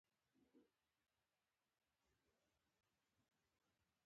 هغه هیواد له بې شمېره ستونزو سره لاس او ګرېوان دی.